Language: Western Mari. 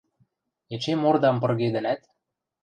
Эче мордам пыргедӹнӓт?